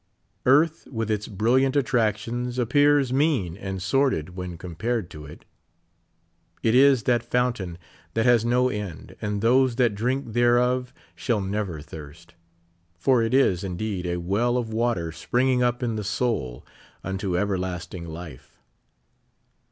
Earth, with its brilliant attractions, appears mean and sordid when compared to it. It is that fountain that has no end, and those that drink thereof shall never thirst ; for it is, indeed, a well of water springing up in the soul unto everlasting life.